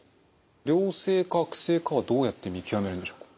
良性か悪性かはどうやって見極めるんでしょうか？